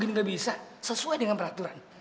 masukin gak bisa sesuai dengan peraturan